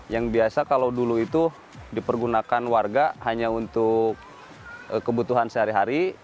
yang biasa kalau dulu itu dipergunakan warga hanya untuk kebutuhan sehari hari